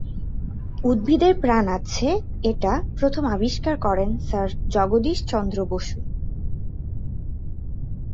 উদ্ভিদের প্রাণ আছে এটা প্রথম আবিষ্কার করেন স্যার জগদীশ চন্দ্র বসু।